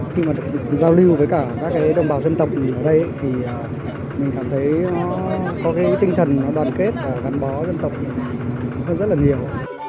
khi mà giao lưu với cả các đồng bào dân tộc thì ở đây thì mình cảm thấy có cái tinh thần đoàn kết và gắn bó dân tộc hơn rất là nhiều